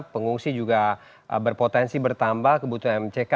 pengungsi juga berpotensi bertambah kebutuhan mck